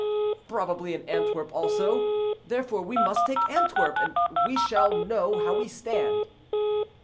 —probably in Antwerp also; therefore we must take Antwerp, and we shall know how we stand."